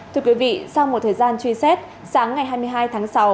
thưa quý vị sau một thời gian truy xét sáng ngày hai mươi hai tháng sáu